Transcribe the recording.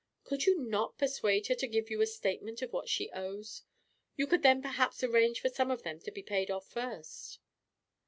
Could you not persuade her to give you a statement of what she owes? You could then perhaps arrange for some of them to be paid off first."